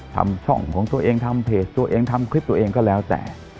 ทำช่องของตัวเองทำเพจตัวเองทำคลิปตัวเองก็แล้วแต่